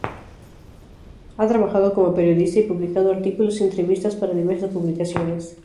Ha trabajado como periodista y publicado artículos y entrevistas para diversas publicaciones.